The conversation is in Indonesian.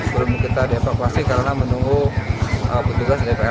belum kita dievakuasi karena menunggu petugas dpr